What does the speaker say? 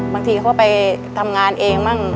บางทีเขาไปทำงานเองบ้าง